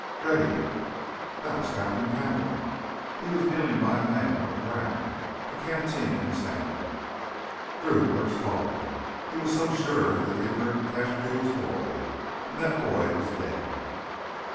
"Rennie!" That was Captain Campbell. He was kneeling by a man on the ground, a canteen in his hand. Drew lurched forward. He was so sure that that inert casualty was Boyd, and that Boyd was dead.